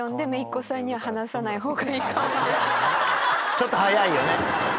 ちょっと早いよね。